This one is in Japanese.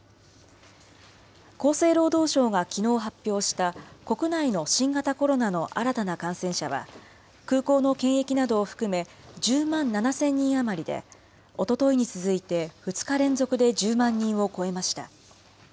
厚生労働省がきのう発表した国内の新型コロナの新たな感染者は、空港の検疫などを含め１０万７０００人余りで、おとといに続いて、２日連続で１０万人を超えました。